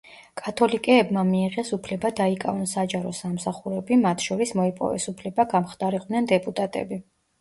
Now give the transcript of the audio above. კათოლიკეებმა მიიღეს უფლება დაიკავონ საჯარო სამსახურები, მათ შორის მოიპოვეს უფლება გამხდარიყვნენ დეპუტატები.